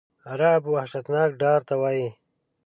رعب وحشتناک ډار ته وایی.